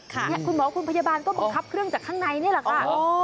คุณหมอคุณพยาบาลก็บังคับเครื่องจากข้างในนี่แหละค่ะ